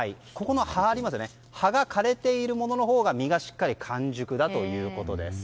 葉が枯れているもののほうが実がしっかり完熟だということです。